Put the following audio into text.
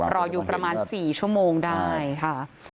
รออยู่ประมาณ๔ชั่วโมงได้ค่ะ